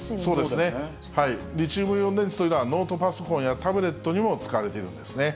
そうですね、リチウムイオン電池というのは、ノートパソコンやタブレットにも使われているんですね。